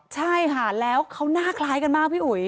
ใช่ค่ะแล้วเขาหน้าคล้ายกันมากพี่อุ๋ย